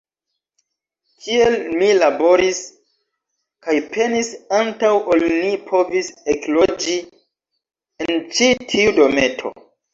Kiel mi laboris kaj penis antaŭ ol ni povis ekloĝi en ĉi tiu dometo!